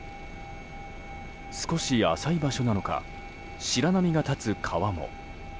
少し浅い場所なのか白波が立つ川面。